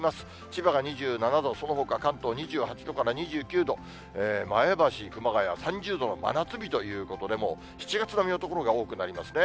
千葉が２７度、そのほか関東２８度から２９度、前橋、熊谷３０度の真夏日ということで、もう７月並みの所が多くなりますね。